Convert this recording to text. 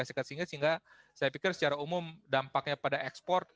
sehingga saya pikir secara umum dampaknya pada ekspor